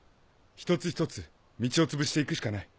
一つ一つ道をつぶして行くしかない。